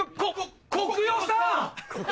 コク代さん。